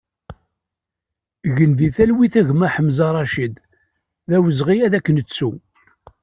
Gen di talwit a gma Ḥemza Racid, d awezɣi ad k-nettu!